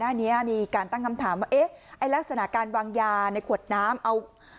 หน้านี้มีการตั้งคำถามว่าเอ๊ะไอ้ลักษณะการวางยาในขวดน้ำเอา